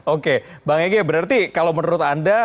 oke bang ege berarti kalau menurut anda